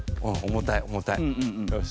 重たい重たい。よし。